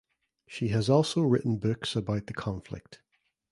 She has also written books about the conflict.